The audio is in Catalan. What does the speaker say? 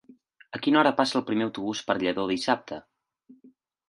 A quina hora passa el primer autobús per Lladó dissabte?